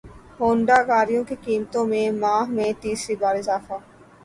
Honda گاڑیوں کی قیمتوں میں ماہ میں تیسری بار اضافہ